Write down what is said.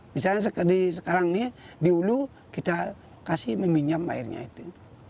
misalnya sekarang ini di ulu kita kasih meminjam airnya itu